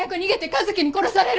和樹に殺される！